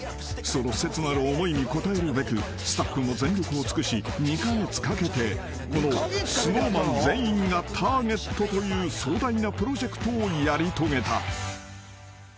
［その切なる思いに応えるべくスタッフも全力を尽くし２カ月かけてこのＳｎｏｗＭａｎ全員がターゲットという壮大なプロジェクトをやり遂げた］